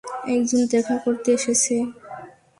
একজন দেখা করতে এসেছে।